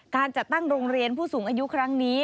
การจัดตั้งโรงเรียนผู้สูงอายุครั้งนี้